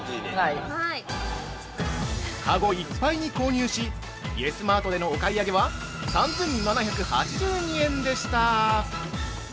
◆かごいっぱいに購入しイエスマートでのお買い上げは３７８２円でした。